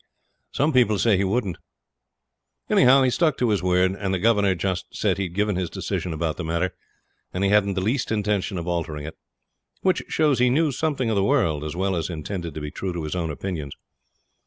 Some people say he wouldn't. Anyhow, he stuck to his word; and the Governor just said he'd given his decision about the matter, and he hadn't the least intention of altering it which showed he knew something of the world, as well as intended to be true to his own opinions.